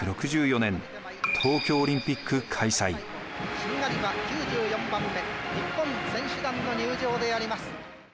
しんがりは９４番目日本選手団の入場であります。